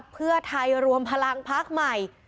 เพื่อไทยรวมพลังพักใหม่